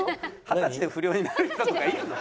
二十歳で不良になる人とかいるの？